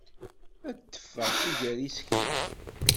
Ad d-teffeɣ si gar yisekla.